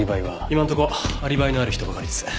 今のとこアリバイのある人ばかりです。